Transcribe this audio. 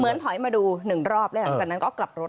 เหมือนถอยมาดูหนึ่งรอบแล้วจากนั้นก็กลับรถ